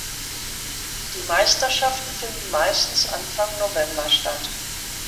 Die Meisterschaften finden meistens Anfang November statt.